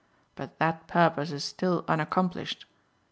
But that purpose is still unaccomplished.